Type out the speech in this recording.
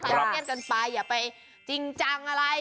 โรงเรียนกันไปอย่าไปจริงจังอะไร